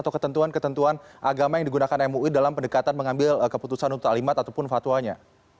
atau ketentuan ketentuan agama yang digunakan mui dalam pendekatan mengambil keputusan untuk alimat ataupun fatwanya